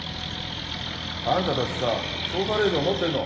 あんたたちさ捜査令状持ってんの？